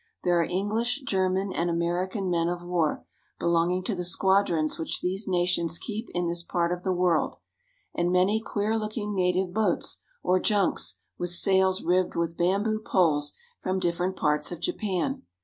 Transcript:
There are English, German, and American men of war, belonging to the squadrons which these nations keep in this part of the world ; and many queer looking native boats or junks with sails ribbed with bamboo poles from different parts of Japan.